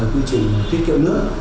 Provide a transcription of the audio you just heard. quy trình tiết kiệm nước